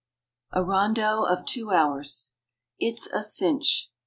A RONDEAU OF TWO HOURS "It's a cinch."